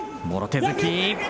もろ手突き。